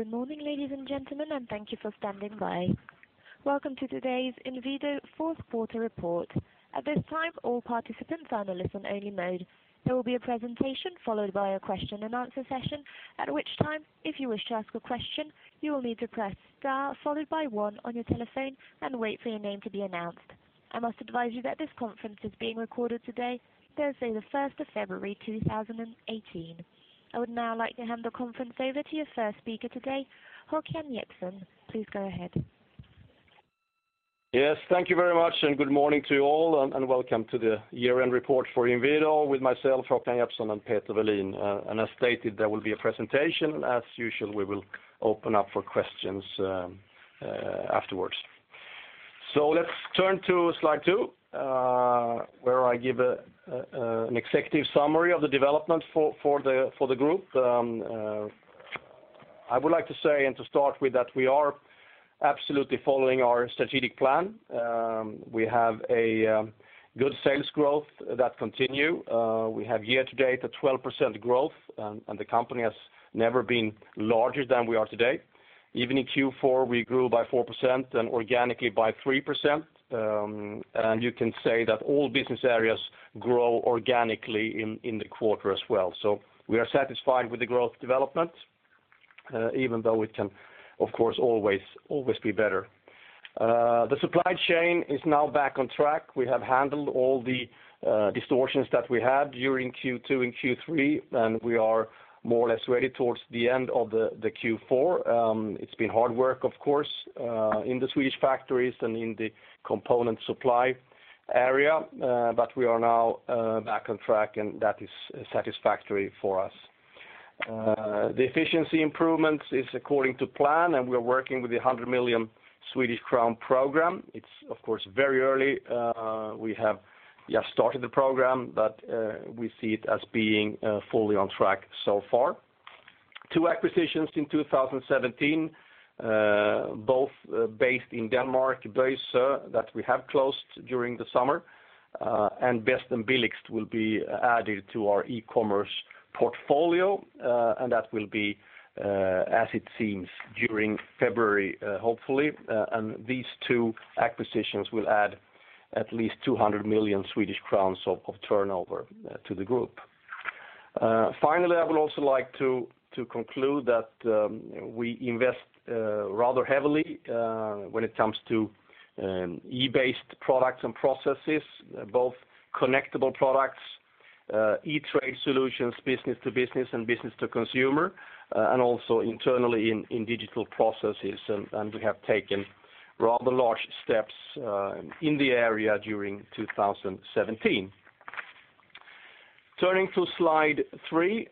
Good morning, ladies and gentlemen, and thank you for standing by. Welcome to today's Inwido fourth quarter report. At this time, all participants are in listen-only mode. There will be a presentation followed by a question and answer session, at which time, if you wish to ask a question, you will need to press star followed by one on your telephone and wait for your name to be announced. I must advise you that this conference is being recorded today, Thursday, the 1st of February 2018. I would now like to hand the conference over to your first speaker today, Håkan Jeppsson. Please go ahead. Yes, thank you very much and good morning to you all, and welcome to the year-end report for Inwido with myself, Håkan Jeppsson, and Peter Welin. As stated, there will be a presentation. As usual, we will open up for questions afterwards. Let's turn to slide two, where I give an executive summary of the development for the group. I would like to say, and to start with, that we are absolutely following our strategic plan. We have a good sales growth that continue. We have year-to-date a 12% growth. The company has never been larger than we are today. Even in Q4, we grew by 4% and organically by 3%. You can say that all business areas grow organically in the quarter as well. We are satisfied with the growth development, even though it can, of course, always be better. The supply chain is now back on track. We have handled all the distortions that we had during Q2 and Q3. We are more or less ready towards the end of the Q4. It's been hard work, of course, in the Swedish factories and in the component supply area. We are now back on track, and that is satisfactory for us. The efficiency improvements is according to plan. We're working with the 100 million Swedish crown program. It's, of course, very early. We have just started the program. We see it as being fully on track so far. Two acquisitions in 2017, both based in Denmark, Bøjsø, that we have closed during the summer. Bedst & Billigst will be added to our e-commerce portfolio, and that will be, as it seems, during February, hopefully. These two acquisitions will add at least 200 million Swedish crowns of turnover to the group. Finally, I would also like to conclude that we invest rather heavily when it comes to e-based products and processes, both connectable products, e-trade solutions, business to business and business to consumer, and also internally in digital processes. We have taken rather large steps in the area during 2017. Turning to slide three,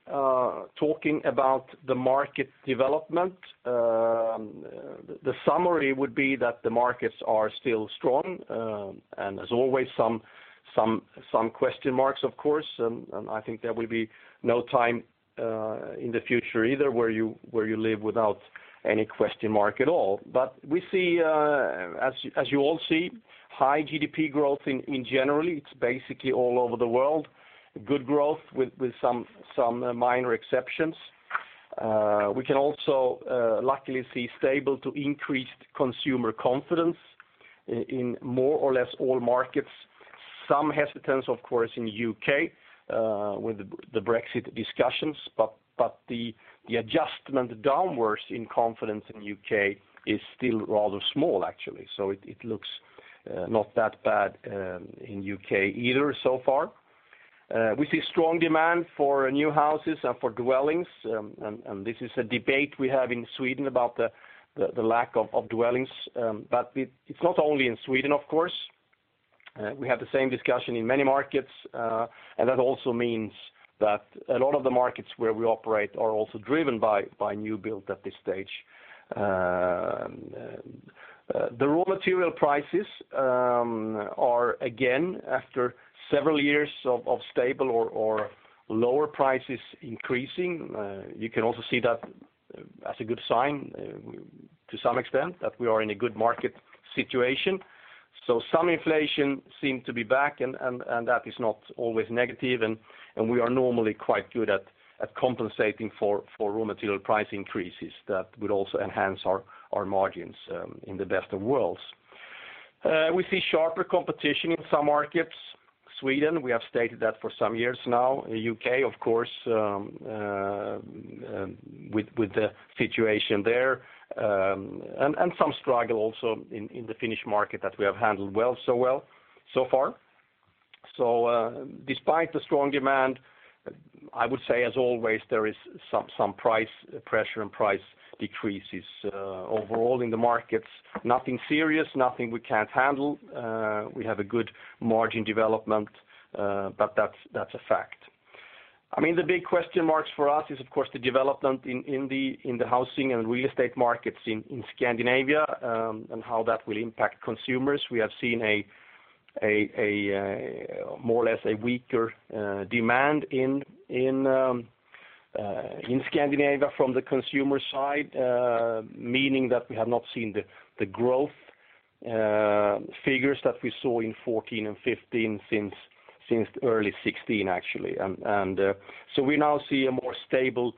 talking about the market development. The summary would be that the markets are still strong. There's always some question marks, of course. I think there will be no time in the future either where you live without any question mark at all. We see, as you all see, high GDP growth in general. It's basically all over the world. Good growth with some minor exceptions. We can also luckily see stable to increased consumer confidence in more or less all markets. Some hesitance, of course, in U.K. with the Brexit discussions, but the adjustment downwards in confidence in U.K. is still rather small, actually. It looks not that bad in U.K. either so far. We see strong demand for new houses and for dwellings, and this is a debate we have in Sweden about the lack of dwellings. It's not only in Sweden, of course. We have the same discussion in many markets, and that also means that a lot of the markets where we operate are also driven by new build at this stage. The raw material prices are, again, after several years of stable or lower prices increasing. You can also see that as a good sign to some extent, that we are in a good market situation. Some inflation seem to be back, and that is not always negative, and we are normally quite good at compensating for raw material price increases that would also enhance our margins in the best of worlds. We see sharper competition in some markets. Sweden, we have stated that for some years now. U.K., of course, with the situation there, and some struggle also in the Finnish market that we have handled well so far. Despite the strong demand, I would say, as always, there is some price pressure and price decreases overall in the markets. Nothing serious. Nothing we can't handle. We have a good margin development, but that's a fact. The big question marks for us is, of course, the development in the housing and real estate markets in Scandinavia, and how that will impact consumers. We have seen more or less a weaker demand in Scandinavia from the consumer side, meaning that we have not seen the growth Figures that we saw in 2014 and 2015 since early 2016, actually. We now see a more stable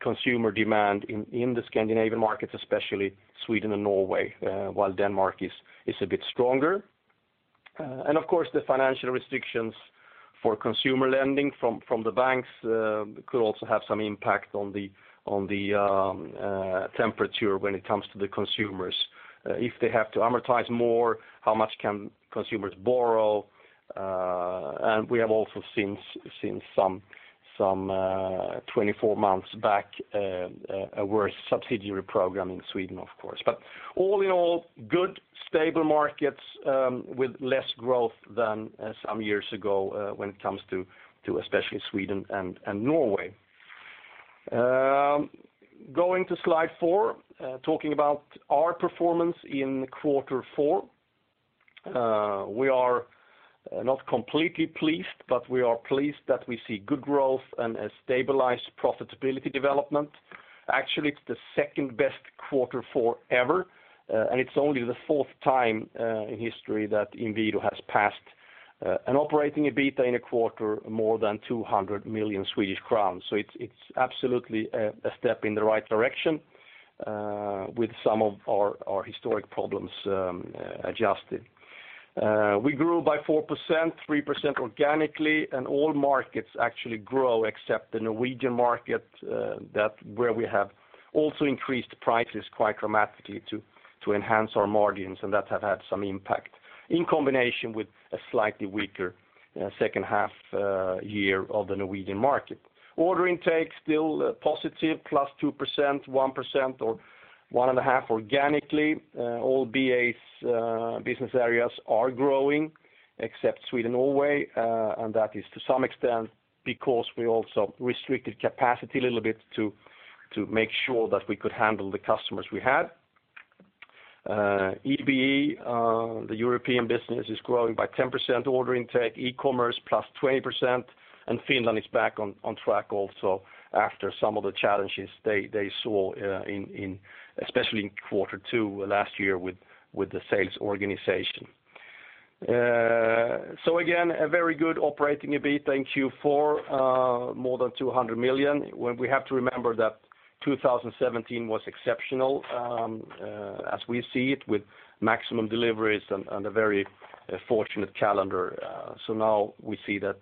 consumer demand in the Scandinavian markets, especially Sweden and Norway, while Denmark is a bit stronger. Of course, the financial restrictions for consumer lending from the banks could also have some impact on the temperature when it comes to the consumers. If they have to amortize more, how much can consumers borrow? We have also seen 24 months back a worse subsidiary program in Sweden, of course. All in all, good stable markets with less growth than some years ago when it comes to especially Sweden and Norway. Going to slide four, talking about our performance in quarter four. We are not completely pleased, but we are pleased that we see good growth and a stabilized profitability development. Actually, it's the second-best quarter four ever, and it's only the fourth time in history that Inwido has passed an operating EBITDA in a quarter more than 200 million Swedish crowns. It's absolutely a step in the right direction with some of our historic problems adjusted. We grew by 4%, 3% organically. All markets actually grow except the Norwegian market, where we have also increased prices quite dramatically to enhance our margins, and that have had some impact in combination with a slightly weaker second half year of the Norwegian market. Order intake, still positive, +2%, 1% or one and a half organically. All BAs, business areas, are growing except Sweden, Norway, and that is to some extent because we also restricted capacity a little bit to make sure that we could handle the customers we had. EBE, the Emerging Business Europe, is growing by 10%. Order intake, e-commerce +20%, and Finland is back on track also after some of the challenges they saw especially in quarter two last year with the sales organization. Again, a very good operating EBITDA in Q4, more than 200 million. We have to remember that 2017 was exceptional, as we see it, with maximum deliveries and a very fortunate calendar. Now we see that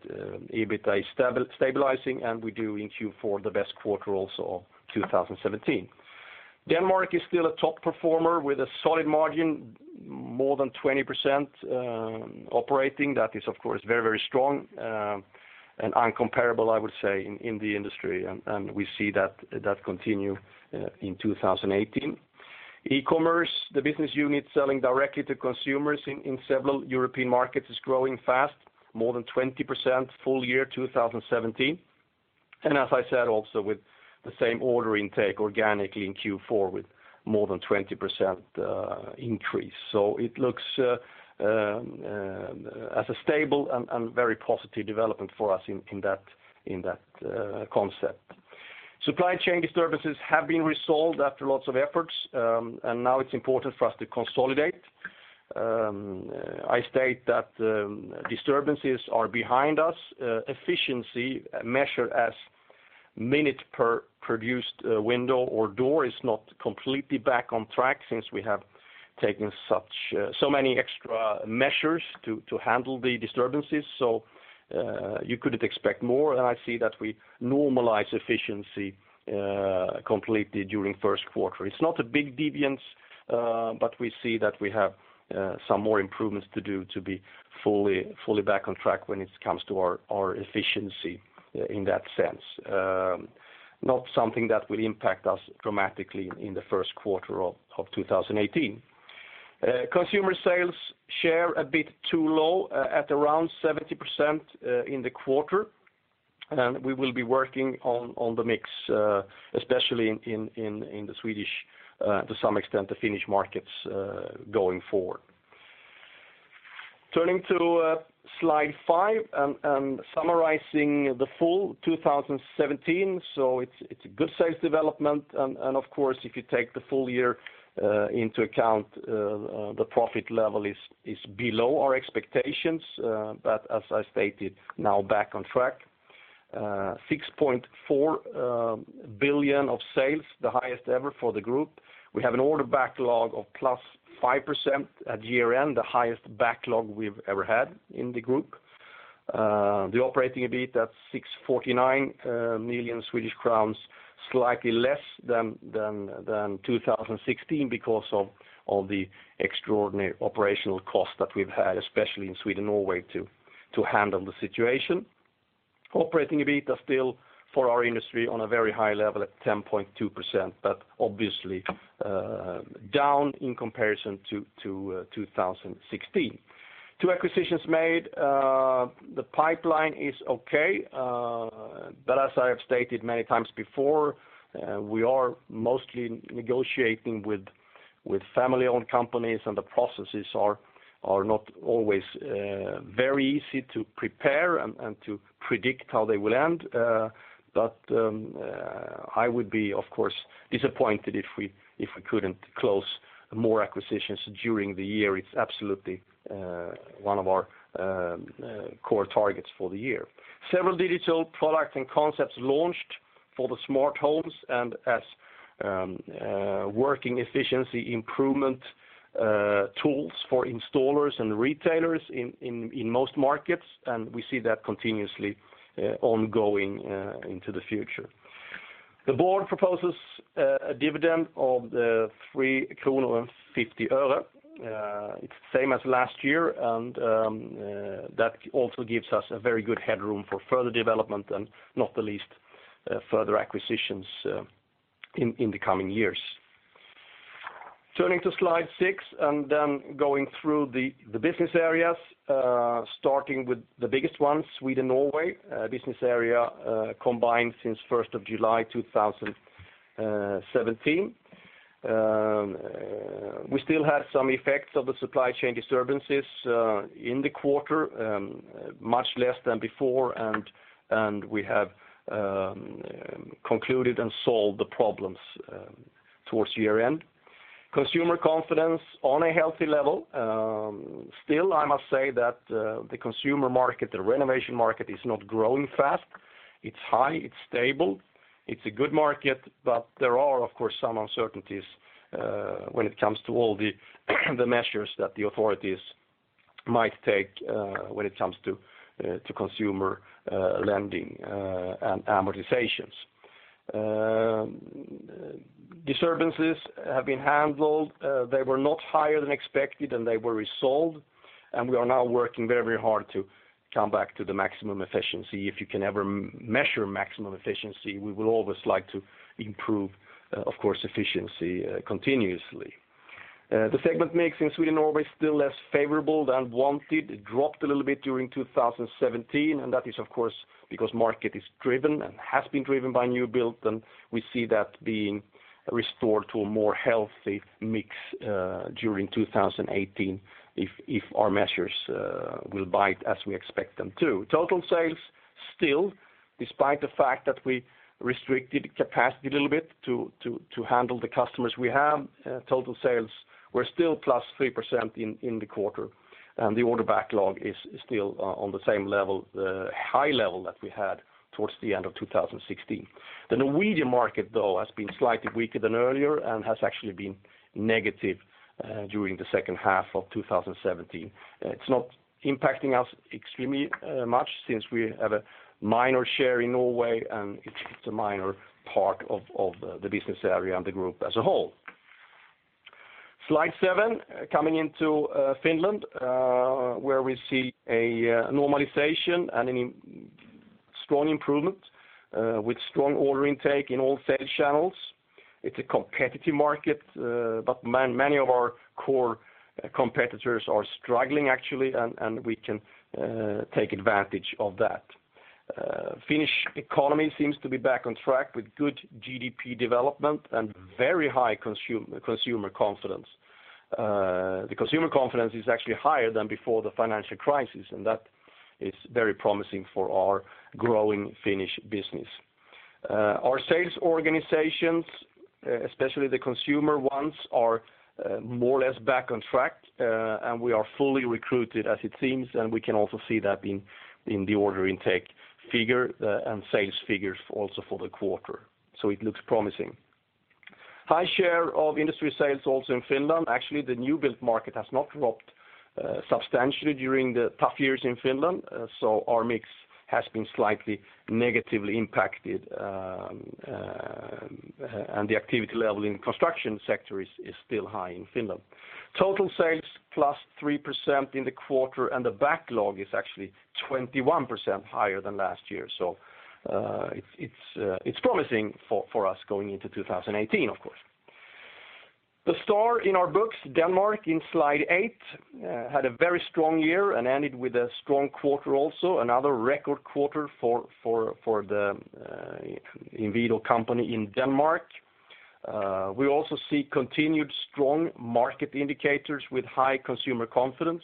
EBITDA is stabilizing, and we do in Q4, the best quarter also of 2017. Denmark is still a top performer with a solid margin, more than 20% operating. That is, of course, very strong and incomparable, I would say, in the industry, and we see that continue in 2018. E-commerce, the business unit selling directly to consumers in several European markets, is growing fast, more than 20% full year 2017. As I said, also with the same order intake organically in Q4 with more than 20% increase. It looks as a stable and very positive development for us in that concept. Supply chain disturbances have been resolved after lots of efforts, and now it's important for us to consolidate. I state that disturbances are behind us. Efficiency measured as minute per produced window or door is not completely back on track since we have taken so many extra measures to handle the disturbances. You couldn't expect more, and I see that we normalize efficiency completely during the first quarter. It's not a big deviation, but we see that we have some more improvements to do to be fully back on track when it comes to our efficiency in that sense. Not something that will impact us dramatically in the first quarter of 2018. Consumer sales share a bit too low at around 70% in the quarter. We will be working on the mix, especially in the Swedish, to some extent, the Finnish markets going forward. Turning to slide five and summarizing the full 2017. It's a good sales development. Of course, if you take the full year into account, the profit level is below our expectations. As I stated, now back on track. 6.4 billion of sales, the highest ever for the group. We have an order backlog of +5% at year-end, the highest backlog we've ever had in the group. The operating EBITDA at 649 million Swedish crowns, slightly less than 2016 because of all the extraordinary operational costs that we've had, especially in Sweden, Norway, to handle the situation. Operating EBITDA still for our industry on a very high level at 10.2%, but obviously down in comparison to 2016. Two acquisitions made. The pipeline is okay, but as I have stated many times before, we are mostly negotiating with family-owned companies, and the processes are not always very easy to prepare and to predict how they will end. I would be, of course, disappointed if we couldn't close more acquisitions during the year. It's absolutely one of our core targets for the year. Several digital products and concepts launched for the smart homes, as working efficiency improvement tools for installers and retailers in most markets. We see that continuously ongoing into the future. The board proposes a dividend of SEK 3.50. It's the same as last year, that also gives us a very good headroom for further development, and not the least, further acquisitions in the coming years. Turning to slide six, going through the business areas, starting with the biggest ones, Sweden, Norway. Business area combined since 1st of July 2017. We still have some effects of the supply chain disturbances in the quarter, much less than before, and we have concluded and solved the problems towards year-end. Consumer confidence on a healthy level. Still, I must say that the consumer market, the renovation market is not growing fast. It's high, it's stable. It's a good market, but there are, of course, some uncertainties when it comes to all the measures that the authorities might take when it comes to consumer lending and amortizations. Disturbances have been handled. They were not higher than expected, they were resolved, we are now working very hard to come back to the maximum efficiency. If you can ever measure maximum efficiency, we will always like to improve, of course, efficiency continuously. The segment mix in Sweden, Norway is still less favorable than wanted. It dropped a little bit during 2017, that is, of course, because market is driven and has been driven by new build, we see that being restored to a more healthy mix during 2018 if our measures will bite as we expect them to. Total sales, still, despite the fact that we restricted capacity a little bit to handle the customers we have, total sales were still +3% in the quarter, the order backlog is still on the same level, the high level that we had towards the end of 2016. The Norwegian market, though, has been slightly weaker than earlier, has actually been negative during the second half of 2017. It's not impacting us extremely much since we have a minor share in Norway, it's a minor part of the business area and the group as a whole. Slide seven, coming into Finland, where we see a normalization and a strong improvement with strong order intake in all sales channels. It's a competitive market, but many of our core competitors are struggling, actually, we can take advantage of that. Finnish economy seems to be back on track with good GDP development and very high consumer confidence. The consumer confidence is actually higher than before the financial crisis, that is very promising for our growing Finnish business. Our sales organizations, especially the consumer ones, are more or less back on track, we are fully recruited as it seems, we can also see that in the order intake figure and sales figures also for the quarter. It looks promising. High share of industry sales also in Finland. Actually, the new build market has not dropped substantially during the tough years in Finland, so our mix has been slightly negatively impacted, the activity level in construction sector is still high in Finland. Total sales +3% in the quarter. The backlog is actually 21% higher than last year, so it's promising for us going into 2018, of course. The star in our books, Denmark in slide eight, had a very strong year and ended with a strong quarter also, another record quarter for the Inwido company in Denmark. We also see continued strong market indicators with high consumer confidence.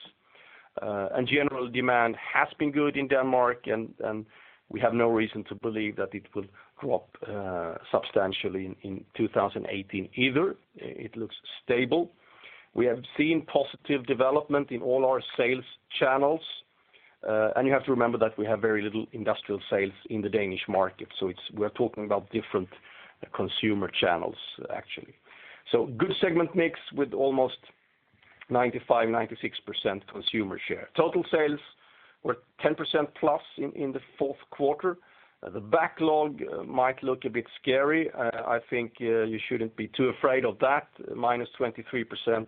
General demand has been good in Denmark, and we have no reason to believe that it will drop substantially in 2018 either. It looks stable. We have seen positive development in all our sales channels. You have to remember that we have very little industrial sales in the Danish market, so we're talking about different consumer channels, actually. Good segment mix with almost 95%-96% consumer share. Total sales were 10% plus in the fourth quarter. The backlog might look a bit scary. I think you shouldn't be too afraid of that, -23%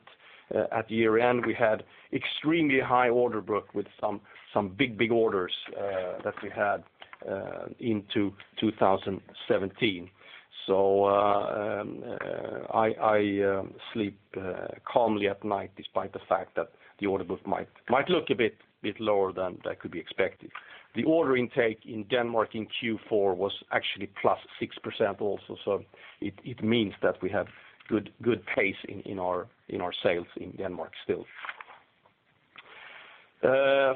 at year-end. We had extremely high order book with some big orders that we had into 2017. I sleep calmly at night despite the fact that the order book might look a bit lower than that could be expected. The order intake in Denmark in Q4 was actually +6% also. It means that we have good pace in our sales in Denmark still.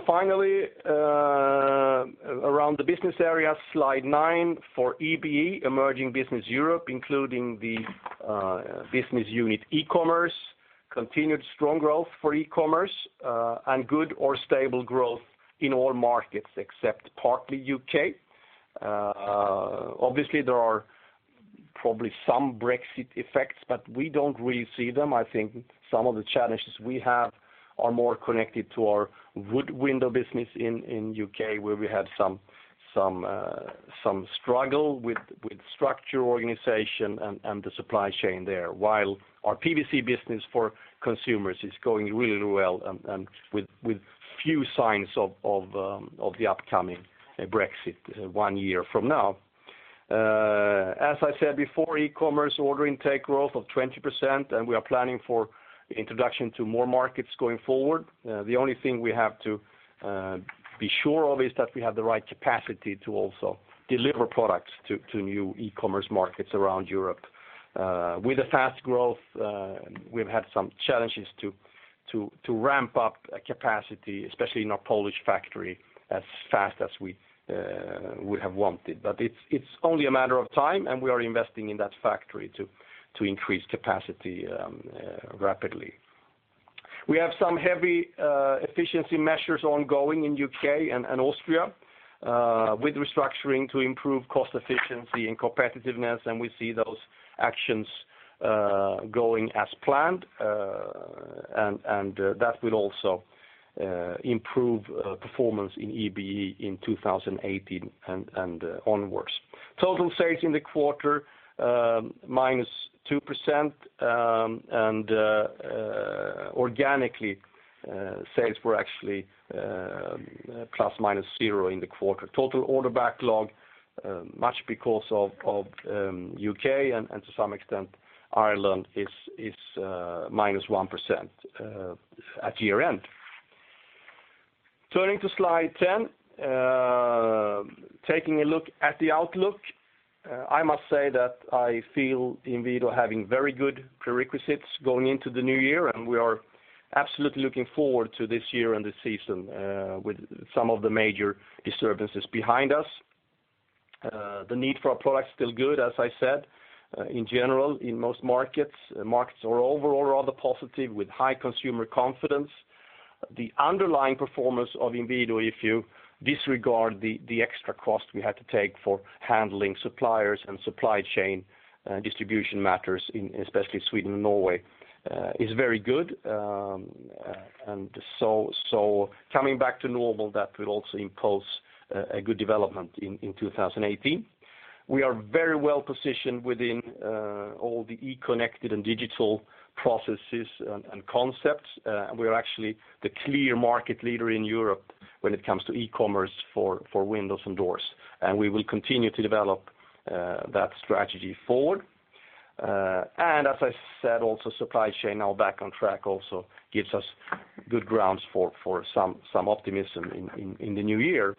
Finally, around the business area, slide nine for EBE, Emerging Business Europe, including the business unit e-commerce, continued strong growth for e-commerce, good or stable growth in all markets except partly U.K. Obviously, there are probably some Brexit effects. We don't really see them. I think some of the challenges we have are more connected to our wood window business in U.K., where we had some struggle with structure, organization, and the supply chain there. While our PVC business for consumers is going really well and with few signs of the upcoming Brexit one year from now. As I said before, e-commerce order intake growth of 20%. We are planning for introduction to more markets going forward. The only thing we have to be sure of is that we have the right capacity to also deliver products to new e-commerce markets around Europe. With the fast growth, we've had some challenges to ramp up capacity, especially in our Polish factory, as fast as we would have wanted. It's only a matter of time. We are investing in that factory to increase capacity rapidly. We have some heavy efficiency measures ongoing in U.K. and Austria with restructuring to improve cost efficiency and competitiveness. We see those actions going as planned. That will also improve performance in EBE in 2018 and onwards. Total sales in the quarter, -2%. Organically, sales were actually ±0 in the quarter. Total order backlog, much because of U.K. and to some extent Ireland, is -1% at year-end. Turning to slide 10. Taking a look at the outlook, I must say that I feel Inwido having very good prerequisites going into the new year. We are absolutely looking forward to this year and this season with some of the major disturbances behind us. The need for our product is still good, as I said, in general, in most markets. Markets are overall rather positive with high consumer confidence. The underlying performance of Inwido, if you disregard the extra cost we had to take for handling suppliers and supply chain distribution matters in especially Sweden and Norway, is very good. Coming back to normal, that will also impulse a good development in 2018. We are very well positioned within all the e-connected and digital processes and concepts. We are actually the clear market leader in Europe when it comes to e-commerce for windows and doors, and we will continue to develop that strategy forward. As I said, also supply chain now back on track also gives us good grounds for some optimism in the new year.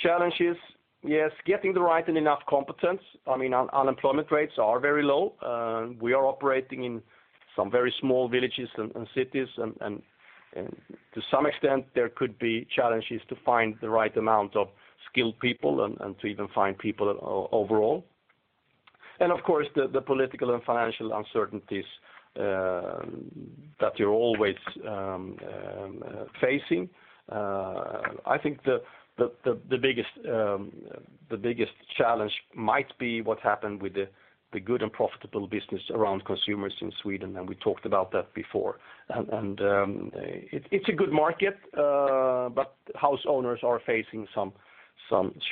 Challenges, yes, getting the right and enough competence. Unemployment rates are very low. We are operating in some very small villages and cities, and to some extent, there could be challenges to find the right amount of skilled people and to even find people overall. Of course, the political and financial uncertainties that you're always facing. I think the biggest challenge might be what happened with the good and profitable business around consumers in Sweden, and we talked about that before. It's a good market, but house owners are facing some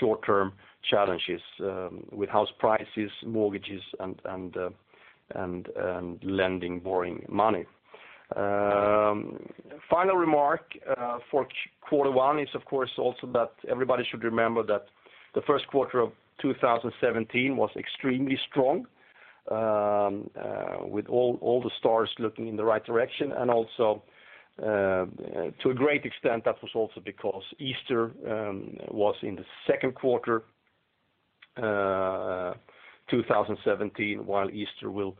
short-term challenges with house prices, mortgages, and lending, borrowing money. Final remark for quarter one is, of course, also that everybody should remember that the first quarter of 2017 was extremely strong, with all the stars looking in the right direction, and also to a great extent, that was also because Easter was in the second quarter 2017, while Easter will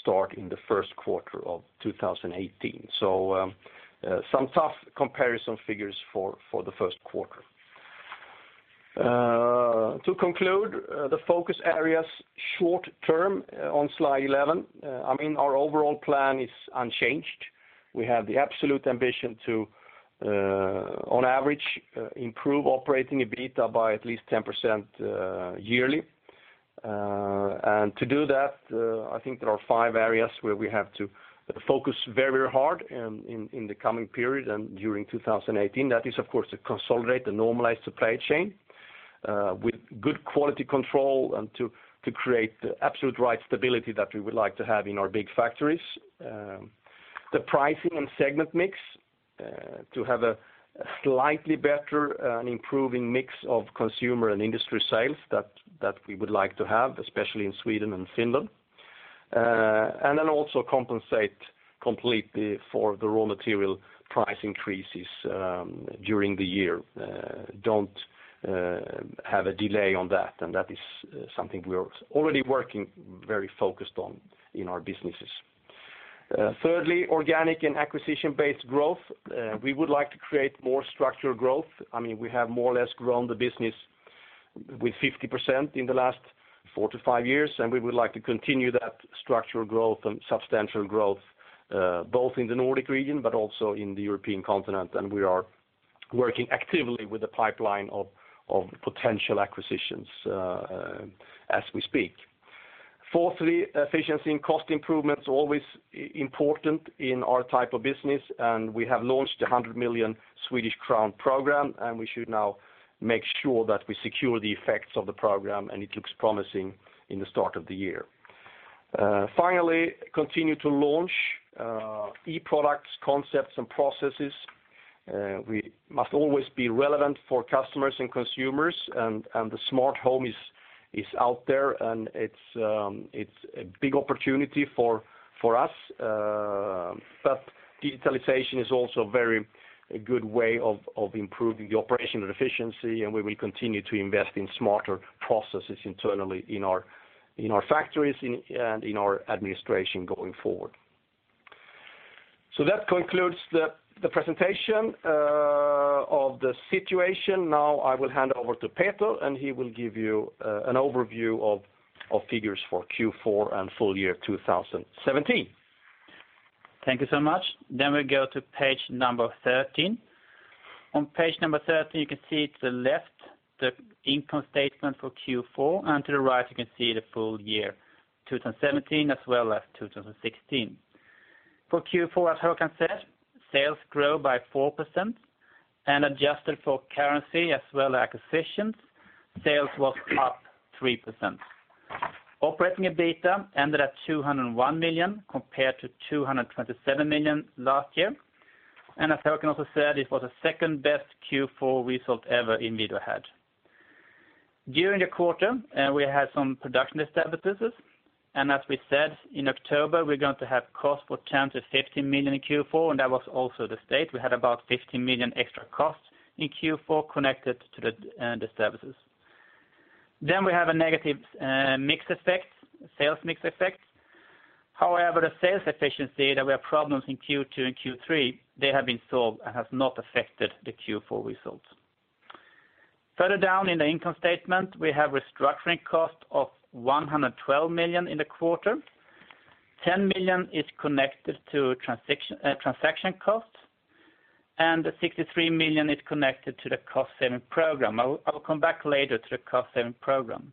start in the first quarter of 2018. Some tough comparison figures for the first quarter. To conclude, the focus areas short term on slide 11. Our overall plan is unchanged. We have the absolute ambition to, on average, improve operating EBITDA by at least 10% yearly. To do that, I think there are five areas where we have to focus very hard in the coming period and during 2018. That is, of course, to consolidate the normalized supply chain with good quality control and to create the absolute right stability that we would like to have in our big factories. The pricing and segment mix to have a slightly better and improving mix of consumer and industry sales that we would like to have, especially in Sweden and Finland. Then also compensate completely for the raw material price increases during the year. Don't Have a delay on that, and that is something we are already working very focused on in our businesses. Thirdly, organic and acquisition-based growth. We would like to create more structural growth. We have more or less grown the business with 50% in the last four to five years, and we would like to continue that structural growth and substantial growth both in the Nordic region but also in the European continent. We are working actively with a pipeline of potential acquisitions as we speak. Fourthly, efficiency and cost improvements are always important in our type of business, and we have launched the 100 million Swedish crown program, and we should now make sure that we secure the effects of the program, and it looks promising in the start of the year. Finally, continue to launch e-products, concepts, and processes. We must always be relevant for customers and consumers, the smart home is out there, and it's a big opportunity for us. Digitalization is also a very good way of improving the operational efficiency, and we will continue to invest in smarter processes internally in our factories and in our administration going forward. That concludes the presentation of the situation. Now I will hand over to Peter, he will give you an overview of figures for Q4 and full year 2017. Thank you so much. We go to page number 13. On page number 13, you can see to the left the income statement for Q4, and to the right, you can see the full year 2017 as well as 2016. For Q4, as Håkan said, sales grew by 4%, and adjusted for currency as well as acquisitions, sales were up 3%. Operating EBITDA ended at 201 million compared to 227 million last year. As Håkan also said, it was the second-best Q4 result ever Inwido had. During the quarter, we had some production disturbances, and as we said, in October, we're going to have costs for 10 million to 15 million in Q4, and that was also the state. We had about 15 million extra costs in Q4 connected to the disturbances. We have a negative sales mix effect. However, the sales efficiency that we had problems in Q2 and Q3 have been solved and have not affected the Q4 results. Further down in the income statement, we have restructuring costs of 112 million in the quarter. 10 million is connected to transaction costs, and the 63 million is connected to the cost-saving program. I will come back later to the cost-saving program.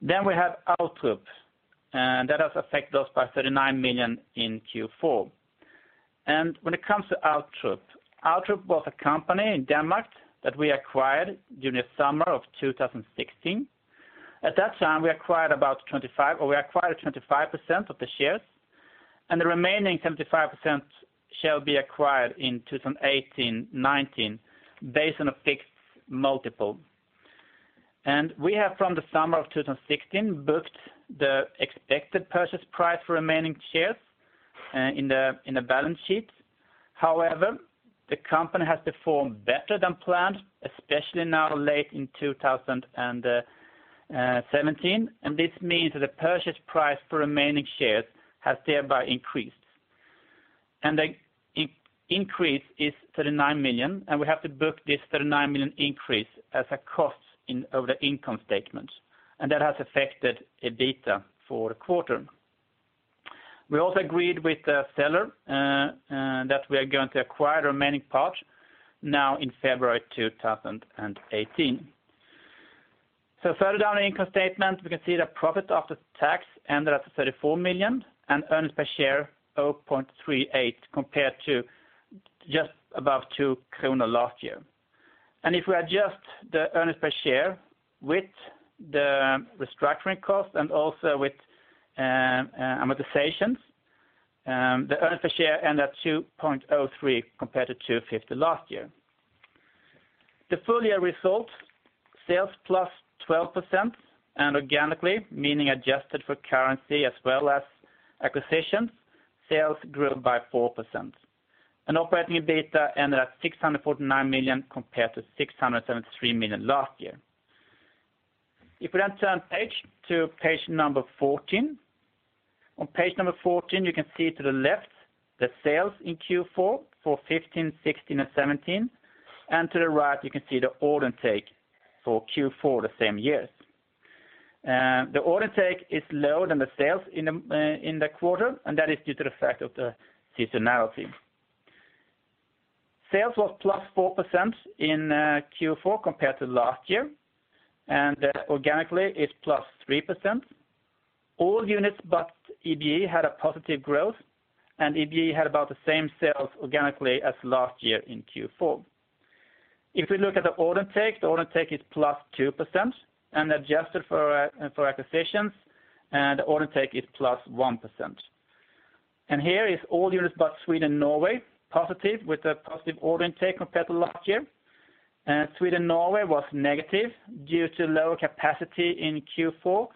We have Outrup, that has affected us by 39 million in Q4. When it comes to Outrup was a company in Denmark that we acquired during the summer of 2016. At that time, we acquired 25% of the shares, and the remaining 75% shall be acquired in 2018 and 2019 based on a fixed multiple. We have, from the summer of 2016, booked the expected purchase price for remaining shares in the balance sheets. However, the company has performed better than planned, especially now late in 2017. This means that the purchase price for remaining shares has thereby increased. The increase is 39 million, and we have to book this 39 million increase as a cost of the income statement. That has affected EBITDA for the quarter. We also agreed with the seller that we are going to acquire the remaining part now in February 2018. Further down the income statement, we can see the profit after tax ended up at 34 million and earnings per share 0.38 compared to just above 2 kronor last year. If we adjust the earnings per share with the restructuring cost and also with amortizations, the earnings per share end at 2.03 compared to 2.50 last year. The full year results, sales +12%, and organically, meaning adjusted for currency as well as acquisitions, sales grew by 4%. Operating EBITDA ended at 649 million compared to 673 million last year. If we turn page to page number 14. On page number 14, you can see to the left the sales in Q4 for 2015, 2016, and 2017, and to the right, you can see the order intake for Q4 the same years. The order intake is lower than the sales in the quarter, and that is due to the fact of the seasonality. Sales was +4% in Q4 compared to last year, and organically it's +3%. All units but EBE had a positive growth, and EBE had about the same sales organically as last year in Q4. If we look at the order intake, the order intake is +2%, and adjusted for acquisitions, the order intake is +1%. Here is all units but Sweden and Norway positive with a positive order intake compared to last year. Sweden and Norway was negative due to lower capacity in Q4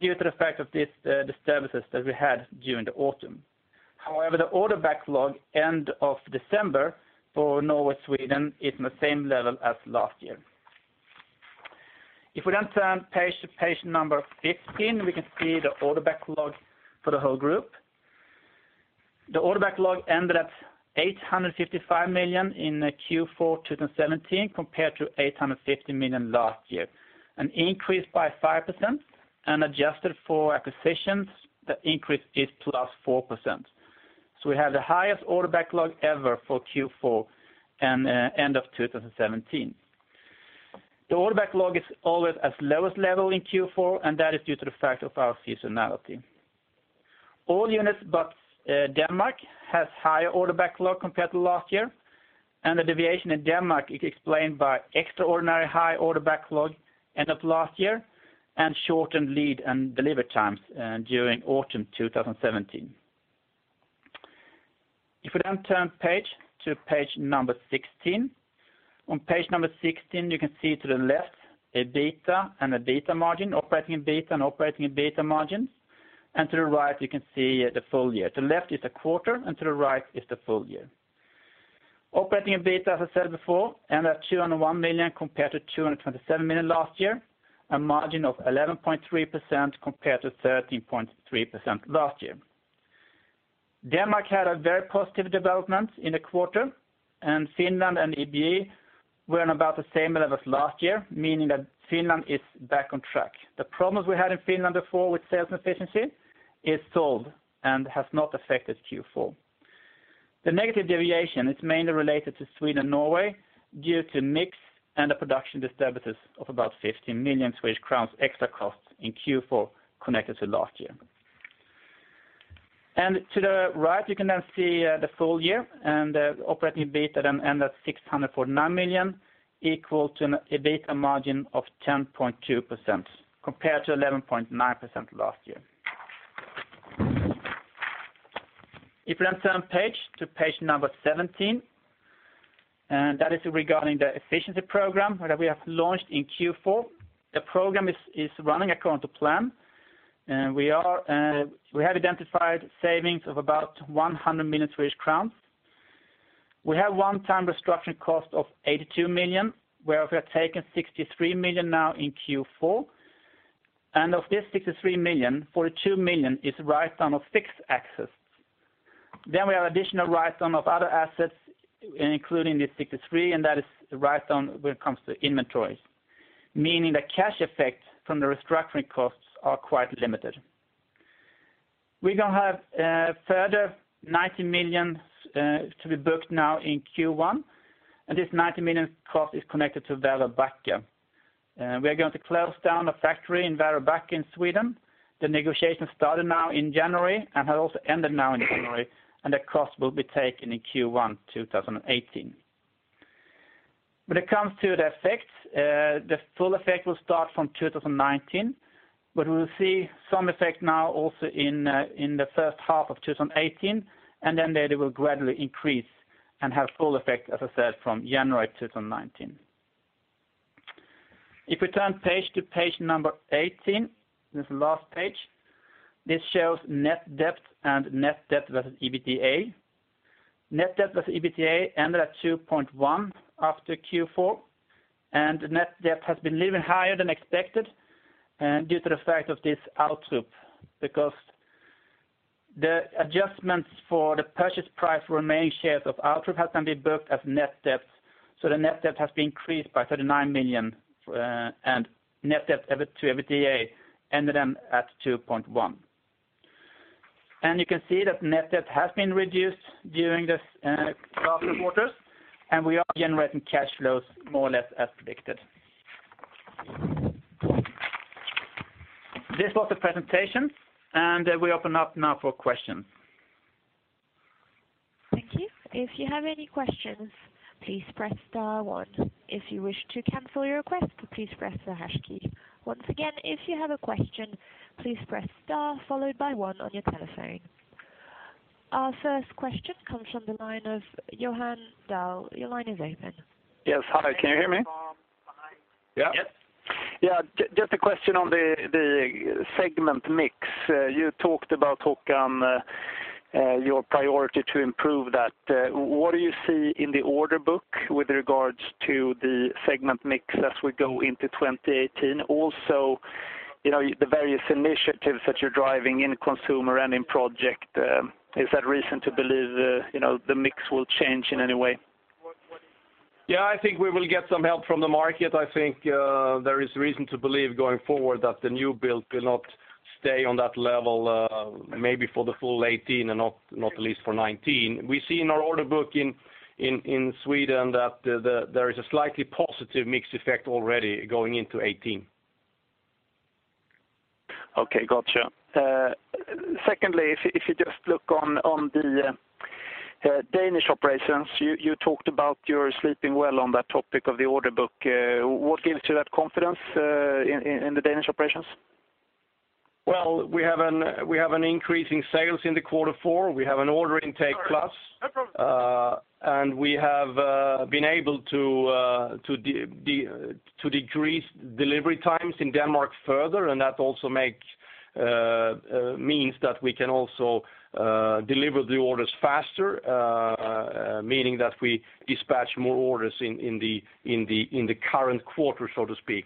due to the fact of these disturbances that we had during the autumn. However, the order backlog end of December for Norway, Sweden is in the same level as last year. If we turn page to page number 15, we can see the order backlog for the whole group. The order backlog ended at 855 million in Q4 2017, compared to 850 million last year. An increase by 5%, and adjusted for acquisitions, the increase is +4%. We have the highest order backlog ever for Q4 and end of 2017. The order backlog is always at lowest level in Q4, and that is due to the fact of our seasonality. All units but Denmark has higher order backlog compared to last year, and the deviation in Denmark is explained by extraordinary high order backlog end of last year, and shortened lead and delivery times during autumn 2017. If we turn page to page number 16. On page number 16, you can see to the left EBITDA and EBITDA margin, operating EBITDA and operating EBITDA margin. To the right, you can see the full year. To the left is the quarter, and to the right is the full year. Operating EBITDA, as I said before, ended at 201 million compared to 227 million last year, a margin of 11.3% compared to 13.3% last year. Denmark had a very positive development in the quarter, and Finland and EBE were in about the same level as last year, meaning that Finland is back on track. The problems we had in Finland before with sales efficiency is solved and has not affected Q4. The negative deviation is mainly related to Sweden, Norway, due to mix and the production disturbances of about 15 million Swedish crowns extra costs in Q4 connected to last year. To the right, you can now see the full year and the operating EBITDA then ended at 649 million, equal to an EBITDA margin of 10.2% compared to 11.9% last year. If we turn page to page number 17, and that is regarding the efficiency program that we have launched in Q4. The program is running according to plan, and we have identified savings of about 100 million Swedish crowns. We have one-time restructuring cost of 82 million, where we have taken 63 million now in Q4. Of this 63 million, 42 million is write-down of fixed assets. We have additional write-down of other assets, including the 63, and that is the write-down when it comes to inventories. Meaning the cash effect from the restructuring costs are quite limited. We now have further 90 million to be booked now in Q1, and this 90 million cost is connected to Västerbacke. We are going to close down a factory in Västerbacke in Sweden. The negotiation started now in January and has also ended now in January, and the cost will be taken in Q1 2018. When it comes to the effects, the full effect will start from 2019, but we will see some effect now also in the first half of 2018, and then they will gradually increase and have full effect, as I said, from January 2019. If we turn page to page number 18, this last page, this shows net debt and net debt versus EBITDA. Net debt versus EBITDA ended at 2.1 after Q4, and net debt has been little higher than expected due to the fact of this Outrup, because the adjustments for the purchase price remaining shares of Outrup has now been booked as net debts. The net debt has been increased by 39 million, and net debt to EBITDA ended then at 2.1. You can see that net debt has been reduced during these last quarters, and we are generating cash flows more or less as predicted. This was the presentation. We open up now for questions. Thank you. If you have any questions, please press star one. If you wish to cancel your request, please press the hash key. Once again, if you have a question, please press star followed by one on your telephone. Our first question comes from the line of Johan Dahl. Your line is open. Yes, hi. Can you hear me? Yes. Yeah. Just a question on the segment mix. You talked about, Håkan, your priority to improve that. What do you see in the order book with regards to the segment mix as we go into 2018? Also, the various initiatives that you're driving in consumer and in project, is that reason to believe the mix will change in any way? Yeah, I think we will get some help from the market. I think there is reason to believe going forward that the new build will not stay on that level, maybe for the full 2018 and not at least for 2019. We see in our order book in Sweden that there is a slightly positive mix effect already going into 2018. Okay, gotcha. Secondly, if you just look on the Danish operations, you talked about you're sleeping well on that topic of the order book. What gives you that confidence in the Danish operations? Well, we have an increase in sales in the quarter four. We have an order intake class. We have been able to decrease delivery times in Denmark further, and that also make. Means that we can also deliver the orders faster, meaning that we dispatch more orders in the current quarter, so to speak.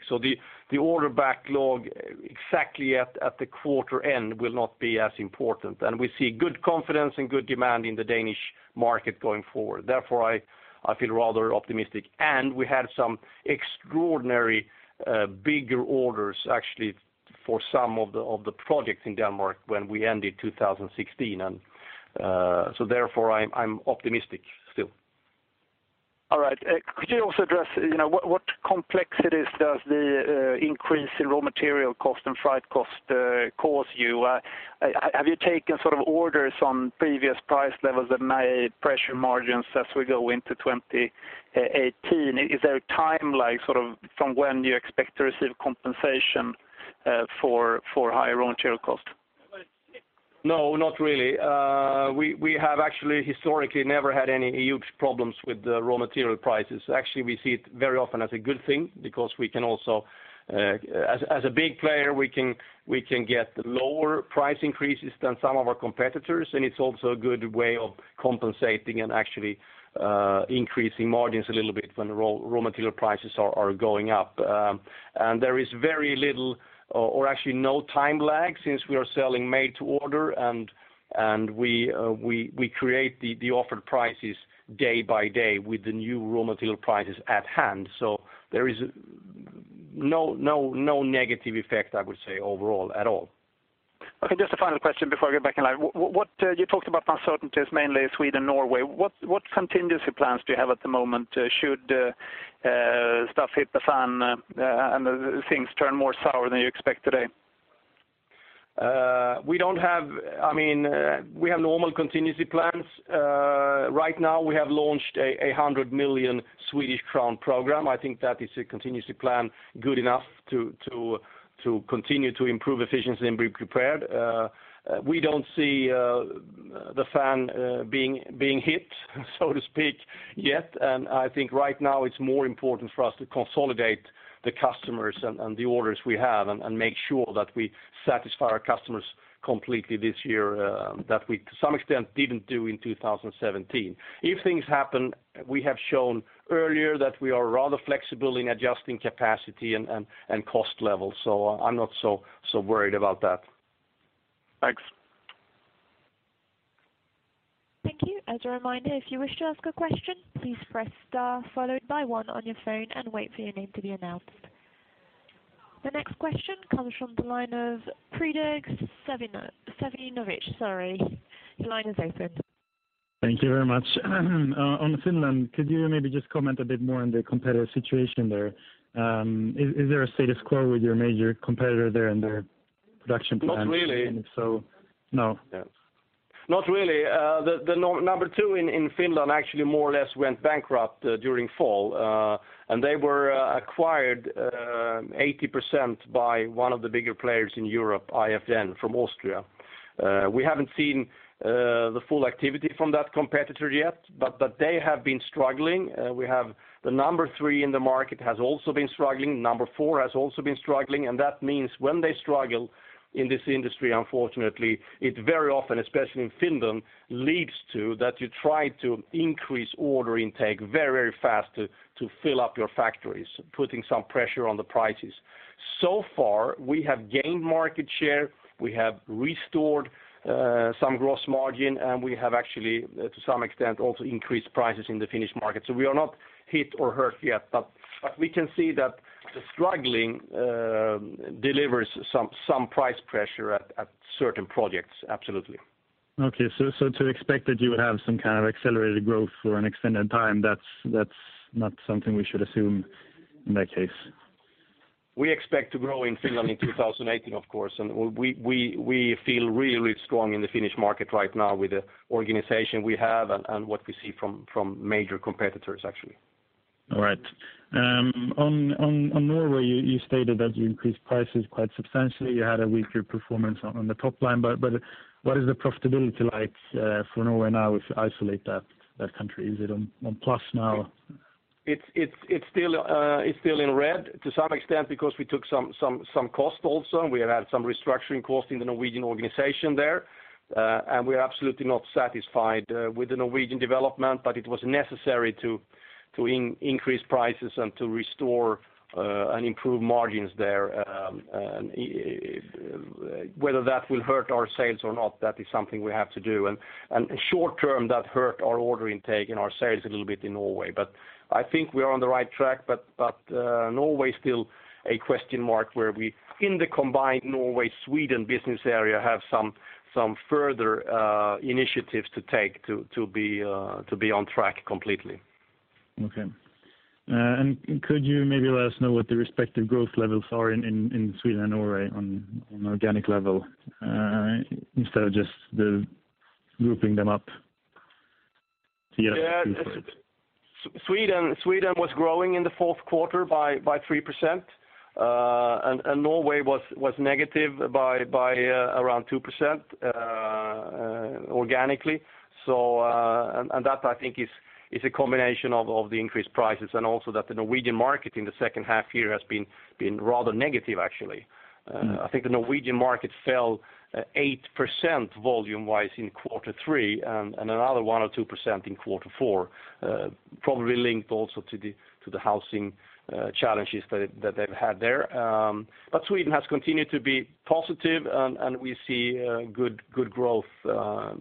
The order backlog exactly at the quarter end will not be as important. We see good confidence and good demand in the Danish market going forward. Therefore, I feel rather optimistic. We had some extraordinary bigger orders actually for some of the projects in Denmark when we ended 2016. Therefore, I'm optimistic still. All right. Could you also address what complexities does the increase in raw material cost and freight cost cause you? Have you taken sort of orders on previous price levels that may pressure margins as we go into 2018? Is there a time lag sort of from when you expect to receive compensation for higher raw material cost? No, not really. We have actually historically never had any huge problems with the raw material prices. Actually, we see it very often as a good thing because as a big player, we can get lower price increases than some of our competitors, and it's also a good way of compensating and actually increasing margins a little bit when raw material prices are going up. There is very little or actually no time lag since we are selling made to order and we create the offered prices day by day with the new raw material prices at hand. There is no negative effect, I would say, overall at all. Okay, just a final question before I get back in line. You talked about uncertainties, mainly Sweden, Norway. What contingency plans do you have at the moment should stuff hit the fan and things turn more sour than you expect today? We have normal contingency plans. Right now we have launched a 100 million Swedish crown program. I think that is a contingency plan good enough to continue to improve efficiency and be prepared. We don't see the fan being hit, so to speak, yet, and I think right now it's more important for us to consolidate the customers and the orders we have and make sure that we satisfy our customers completely this year, that we to some extent didn't do in 2017. If things happen, we have shown earlier that we are rather flexible in adjusting capacity and cost levels. I'm not so worried about that. Thanks. Thank you. As a reminder, if you wish to ask a question, please press star followed by one on your phone and wait for your name to be announced. The next question comes from the line of Fredrick Sevenovich. Sorry. The line is open. Thank you very much. On Finland, could you maybe just comment a bit more on the competitor situation there? Is there a status quo with your major competitor there and their production plans? Not really. If so, no. Not really. The number two in Finland actually more or less went bankrupt during fall. They were acquired 80% by one of the bigger players in Europe, IFN from Austria. We haven't seen the full activity from that competitor yet, but they have been struggling. We have the number three in the market has also been struggling. Number four has also been struggling, that means when they struggle in this industry, unfortunately, it very often, especially in Finland, leads to that you try to increase order intake very fast to fill up your factories, putting some pressure on the prices. Far, we have gained market share, we have restored some gross margin, we have actually, to some extent, also increased prices in the Finnish market. We are not hit or hurt yet, but we can see that the struggling delivers some price pressure at certain projects. Absolutely. To expect that you would have some kind of accelerated growth for an extended time, that's not something we should assume in that case. We expect to grow in Finland in 2018, of course, and we feel really strong in the Finnish market right now with the organization we have and what we see from major competitors, actually. All right. On Norway, you stated that you increased prices quite substantially. You had a weaker performance on the top line, but what is the profitability like for Norway now if you isolate that country? Is it on plus now? It's still in red to some extent because we took some cost also. We have had some restructuring costs in the Norwegian organization there, and we're absolutely not satisfied with the Norwegian development, but it was necessary to increase prices and to restore and improve margins there. Whether that will hurt our sales or not, that is something we have to do. Short term, that hurt our order intake and our sales a little bit in Norway. I think we are on the right track, but Norway is still a question mark where we, in the combined Norway-Sweden business area, have some further initiatives to take to be on track completely. Okay. Could you maybe let us know what the respective growth levels are in Sweden and Norway on an organic level instead of just grouping them up together? Yeah. Sweden was growing in the fourth quarter by 3%, and Norway was negative by around 2%. Organically. That I think is a combination of the increased prices and also that the Norwegian market in the second half year has been rather negative, actually. I think the Norwegian market fell 8% volume-wise in quarter three, another 1% or 2% in quarter four, probably linked also to the housing challenges that they've had there. Sweden has continued to be positive, and we see good growth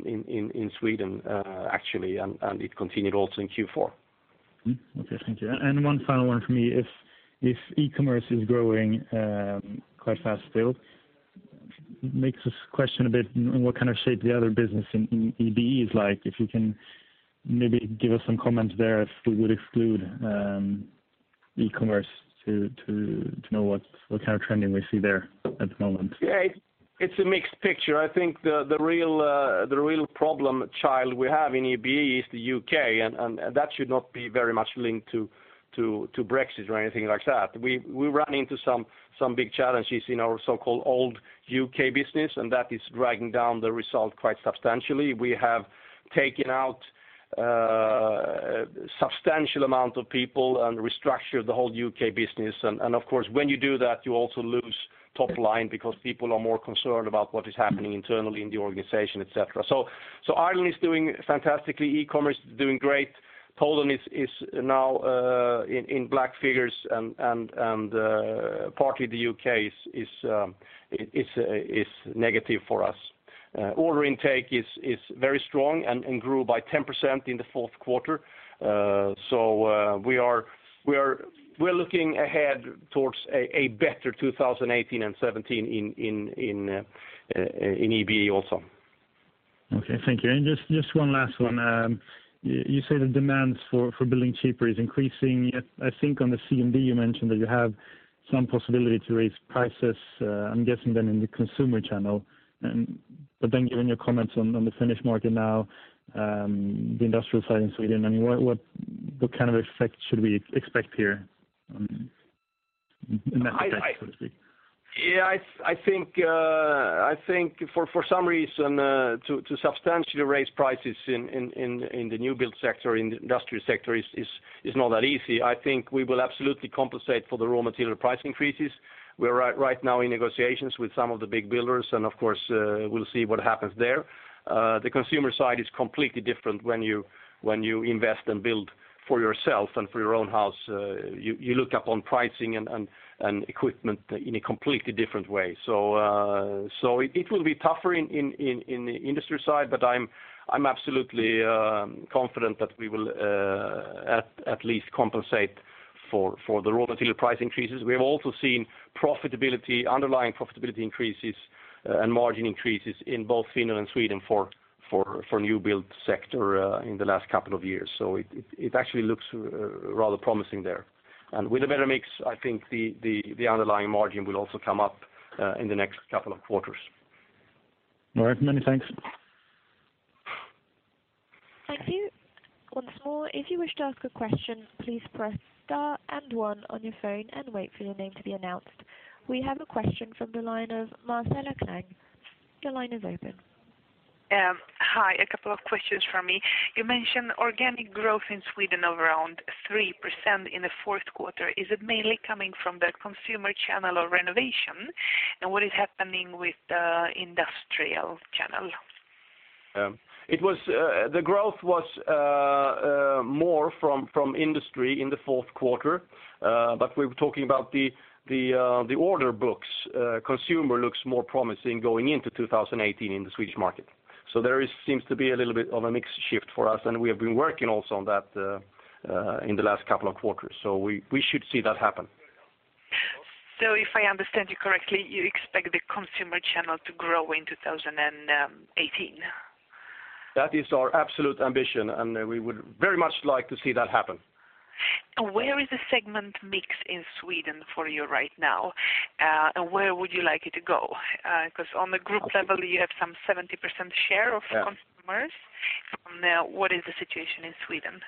in Sweden actually, and it continued also in Q4. Okay. Thank you. One final one from me. If e-commerce is growing quite fast still, makes us question a bit what kind of shape the other business in EBE is like. If you can maybe give us some comment there, if we would exclude e-commerce to know what kind of trending we see there at the moment. Yeah. It's a mixed picture. I think the real problem child we have in EBE is the U.K., that should not be very much linked to Brexit or anything like that. We ran into some big challenges in our so-called old U.K. business, and that is dragging down the result quite substantially. We have taken out a substantial amount of people and restructured the whole U.K. business. Of course, when you do that, you also lose top line because people are more concerned about what is happening internally in the organization, et cetera. Ireland is doing fantastically. E-commerce is doing great. Poland is now in black figures and partly the U.K. is negative for us. Order intake is very strong and grew by 10% in the fourth quarter. We are looking ahead towards a better 2018 and 2017 in EBE also. Okay, thank you. Just one last one. You say the demands for building cheaper is increasing, yet I think on the CMD you mentioned that you have some possibility to raise prices, I'm guessing then in the consumer channel. Given your comments on the Finnish market now, the industrial side in Sweden, what kind of effect should we expect here? On net effect, so to speak. I think for some reason to substantially raise prices in the new build sector, in the industrial sector, is not that easy. I think we will absolutely compensate for the raw material price increases. We are right now in negotiations with some of the big builders, of course, we'll see what happens there. The consumer side is completely different when you invest and build for yourself and for your own house, you look up on pricing and equipment in a completely different way. It will be tougher in the industry side, but I'm absolutely confident that we will at least compensate for the raw material price increases. We have also seen underlying profitability increases and margin increases in both Finland and Sweden for new build sector in the last couple of years. It actually looks rather promising there. With a better mix, I think the underlying margin will also come up in the next couple of quarters. All right. Many thanks. Thank you. Once more, if you wish to ask a question, please press star and one on your phone and wait for your name to be announced. We have a question from the line of Marcella Klang. Your line is open. Hi. A couple of questions from me. You mentioned organic growth in Sweden of around 3% in the fourth quarter. Is it mainly coming from the consumer channel or renovation? What is happening with the industrial channel? The growth was more from industry in the fourth quarter. We were talking about the order books. Consumer looks more promising going into 2018 in the Swedish market. There seems to be a little bit of a mix shift for us, and we have been working also on that in the last couple of quarters. We should see that happen. If I understand you correctly, you expect the consumer channel to grow in 2018? That is our absolute ambition, and we would very much like to see that happen. Where is the segment mix in Sweden for you right now? Where would you like it to go? On the group level, you have some 70% share of consumers. What is the situation in Sweden?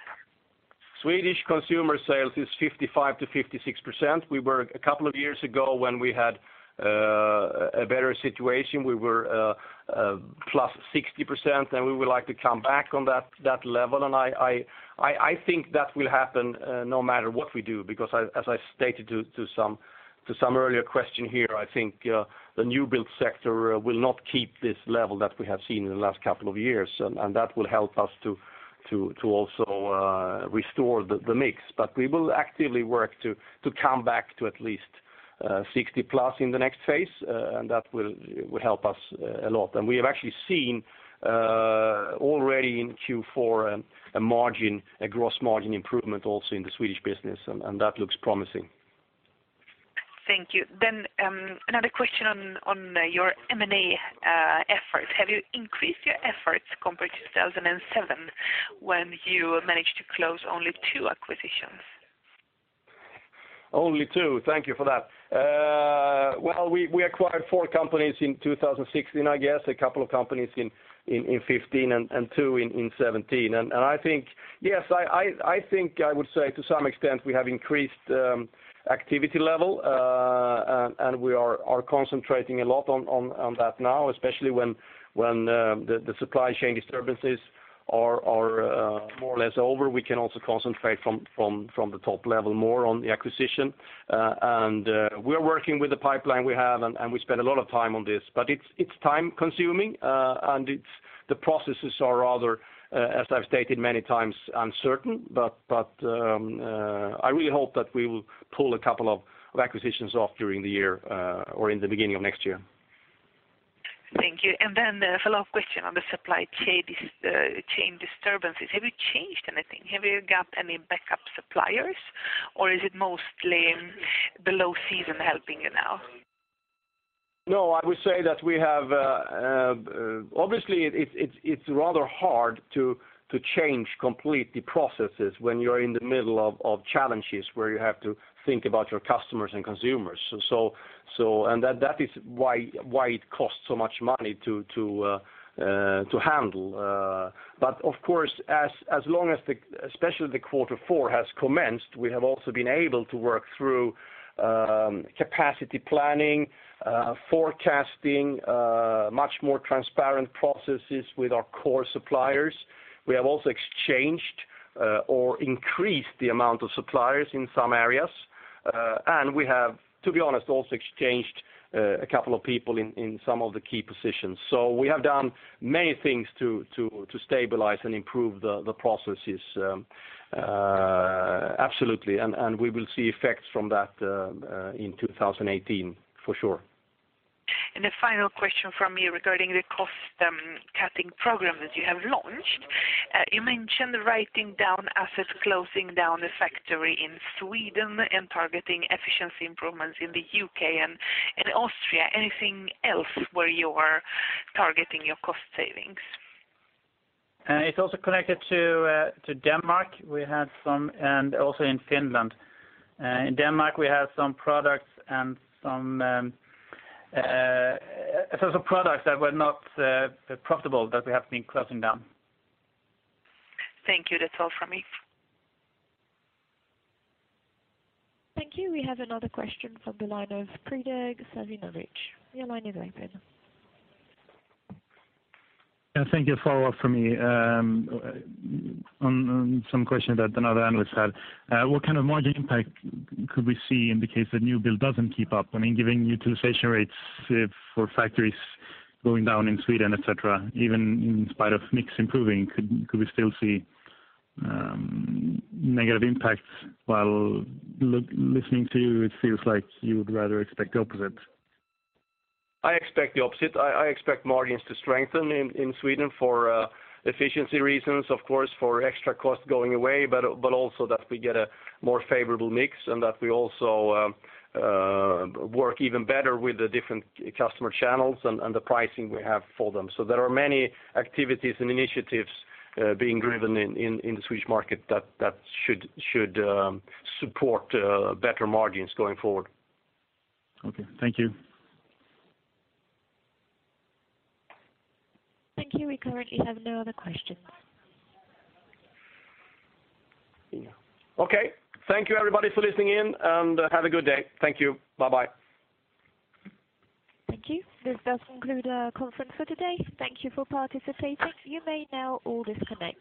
Swedish consumer sales is 55% to 56%. We were a couple of years ago when we had a better situation, we were plus 60%, we would like to come back on that level. I think that will happen no matter what we do because as I stated to some earlier question here, I think the new build sector will not keep this level that we have seen in the last couple of years, and that will help us to also restore the mix. We will actively work to come back to at least 60 plus in the next phase. That will help us a lot. We have actually seen already in Q4 a gross margin improvement also in the Swedish business, and that looks promising. Thank you. Another question on your M&A efforts. Have you increased your efforts compared to 2017 when you managed to close only two acquisitions? Only two. Thank you for that. Well, we acquired 4 companies in 2016, I guess, a couple of companies in 2015, and 2 in 2017. I think, yes. I think I would say to some extent we have increased activity level, and we are concentrating a lot on that now, especially when the supply chain disturbances are more or less over. We can also concentrate from the top level more on the acquisition. We are working with the pipeline we have, and we spend a lot of time on this. It's time-consuming, and the processes are rather, as I've stated many times, uncertain. I really hope that we will pull a couple of acquisitions off during the year or in the beginning of next year. Thank you. The follow-up question on the supply chain disturbances. Have you changed anything? Have you got any backup suppliers, or is it mostly the low season helping you now? No, I would say that obviously, it's rather hard to change completely processes when you're in the middle of challenges where you have to think about your customers and consumers. That is why it costs so much money to handle. Of course, as long as especially the quarter four has commenced, we have also been able to work through capacity planning, forecasting, much more transparent processes with our core suppliers. We have also exchanged or increased the amount of suppliers in some areas. We have, to be honest, also exchanged a couple of people in some of the key positions. We have done many things to stabilize and improve the processes. Absolutely, we will see effects from that in 2018, for sure. The final question from me regarding the cost-cutting program that you have launched. You mentioned writing down assets, closing down the factory in Sweden, and targeting efficiency improvements in the U.K. and in Austria. Anything else where you are targeting your cost savings? It's also connected to Denmark, we had some, and also in Finland. In Denmark, we had some products that were not profitable that we have been closing down. Thank you. That's all from me. Thank you. We have another question from the line of Predrag Savinovic. Your line is open. Thank you. A follow-up from me. On some question that another analyst had. What kind of margin impact could we see in the case the new build doesn't keep up? Given utilization rates for factories going down in Sweden, et cetera, even in spite of mix improving, could we still see negative impacts? While listening to you, it feels like you would rather expect the opposite. I expect the opposite. I expect margins to strengthen in Sweden for efficiency reasons, of course, for extra cost going away, but also that we get a more favorable mix and that we also work even better with the different customer channels and the pricing we have for them. There are many activities and initiatives being driven in the Swedish market that should support better margins going forward. Okay. Thank you. Thank you. We currently have no other questions. Okay. Thank you everybody for listening in, and have a good day. Thank you. Bye-bye. Thank you. This does conclude our conference for today. Thank you for participating. You may now all disconnect.